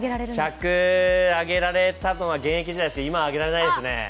１００挙げられたのは現役時代ですけど、今上げられないですね。